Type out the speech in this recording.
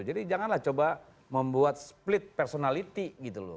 jadi janganlah coba membuat split personality gitu loh